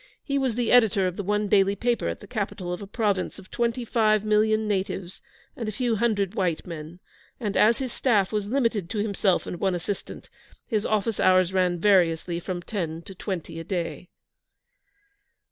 He was editor of the one daily paper at the capital of a province of twenty five million natives and a few hundred white men, and as his staff was limited to himself and one assistant, his office hours ran variously from ten to twenty a day.